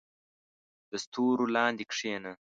• د ستورو لاندې کښېنه.